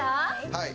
はい。